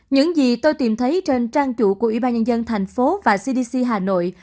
những gì tôi tìm thấy trên trang chủ của ybnd tp và cdc hà nội